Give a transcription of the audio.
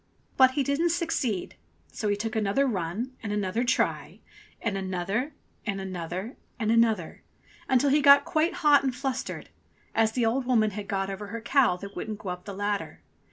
But he didn't succeed, so he took another run and another try, and another and another and another, until he got quite hot and flustered, as the old woman had got over her cow that wouldn't go up the ladder.